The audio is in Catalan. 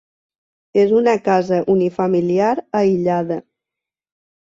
És una casa unifamiliar aïllada.